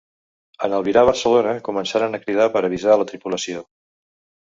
En albirar Barcelona, començaren a cridar per avisar la tripulació.